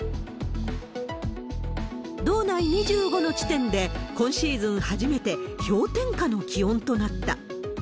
道内２５の地点で、今シーズン初めて、氷点下の気温となった。